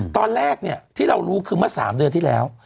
ตอนแรกที่เรารู้คือเมื่อ๓เดือนที่แล้ว